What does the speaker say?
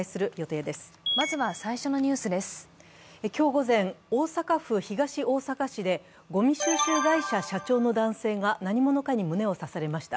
今日午前、大阪府東大阪市でごみ収集会社社長の男性が何者かに胸を刺されました。